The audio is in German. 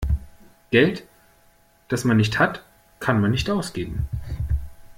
Geld, das man nicht hat, kann man nicht ausgeben.